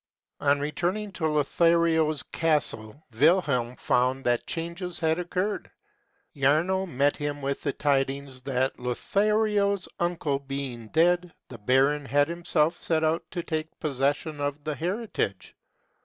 ON returning to Lothario's castle, Wilhelm found that changes had occurred. Jarno met him with the tidings, that, Lothario's uncle being dead, the baron had himself set out to take possession of the heritage.